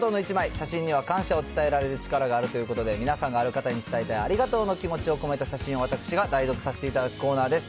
写真には感謝を伝えられる力があるということで、皆さんがある方に伝えたいありがとうの気持ちを込めた写真を、私が代読させていただくコーナーです。